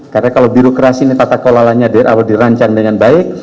karena kalau birokrasi ini tata kelolanya dari awal dirancang dengan baik